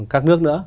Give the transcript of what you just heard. các nước nữa